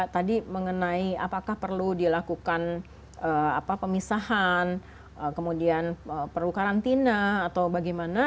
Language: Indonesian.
tadi mengenai apakah perlu dilakukan pemisahan kemudian perlu karantina atau bagaimana